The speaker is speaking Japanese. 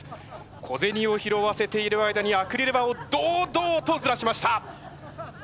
小銭を拾わせている間にアクリル板を堂々とずらしました。